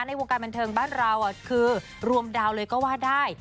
ในวงการบันเทิงบ้านเราคือรวมดาวเลยก็ว่าได้